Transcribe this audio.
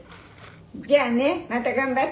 「じゃあね！また頑張ってね！」